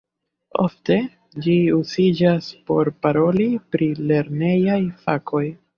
Ofte ĝi uziĝas por paroli pri lernejaj fakoj.